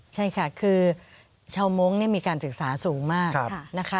ใช่ค่ะคือชาวมงค์มีการศึกษาสูงมากนะคะ